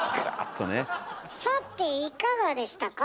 さていかがでしたか？